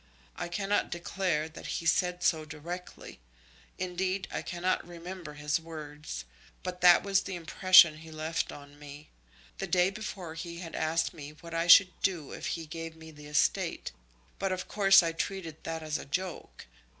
I cannot declare that he said so directly. Indeed I cannot remember his words; but that was the impression he left on me. The day before he had asked me what I should do if he gave me the estate; but of course I treated that as a joke.